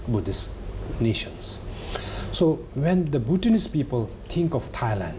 กันสร้างจากโดยความสูญชื่อที่เขาข่ายเป็น